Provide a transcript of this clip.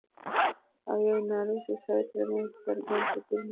او يوه نالوستي سړي ترمنځ څرګند توپير وينو